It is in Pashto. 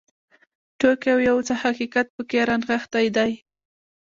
ټوکې او یو څه حقیقت پکې رانغښتی دی.